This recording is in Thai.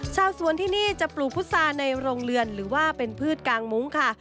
ชาวสวนที่นี่จะปลูกพุษาในโรงเรือนหรือว่าเป็นพืชกางมุ้งค่ะ